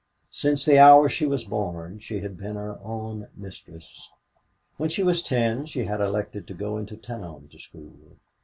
Since the hour she was born, she had been her own mistress. When she was ten she had elected to go into town to school.